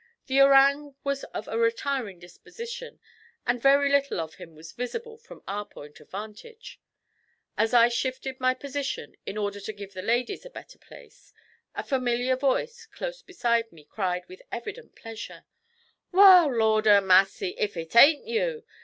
The orang was of a retiring disposition, and very little of him was visible from our point of vantage. As I shifted my position in order to give the ladies a better place, a familiar voice close beside me cried with evident pleasure: 'Wal! Lord a massy, if it ain't you!